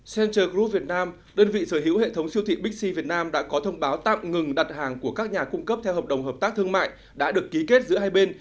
center group việt nam đơn vị sở hữu hệ thống siêu thị bixi việt nam đã có thông báo tạm ngừng đặt hàng của các nhà cung cấp theo hợp đồng hợp tác thương mại đã được ký kết giữa hai bên